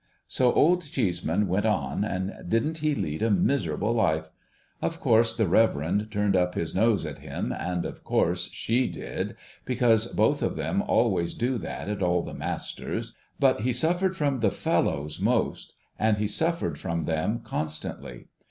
So Old Cheeseman went on, and didn't he lead a miserable life 1 Of course the Reverend turned up his nose at him, and of course she did — because both of them always do that at all the masters— but he suffered from the fellows most, and he suffered from them constantly.